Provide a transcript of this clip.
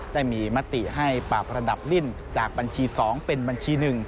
ได้มีมติให้ปราบระดับลิ้นจากบัญชี๒เป็นบัญชี๑